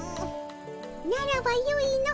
ならばよいの。